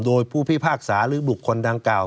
โดยผู้พิพากษาหรือบุคคลดังกล่าว